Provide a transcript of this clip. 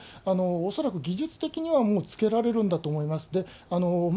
恐らく技術的にはもうつけられるんだと思います。